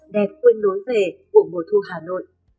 đẹp quên nối về của mùa thu hà nội